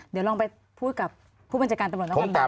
เดี๋ยวลองไปพูดกับผู้บัญจการตำรวจนักภัณฑ์นะครับ